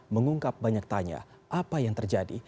mengungkap banyak tanya apa yang terjadi